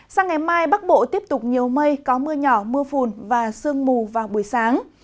sang ngày mai bắc bộ tiếp tục nhiều mây có mưa nhỏ mưa phùn và sương mù vào buổi sáng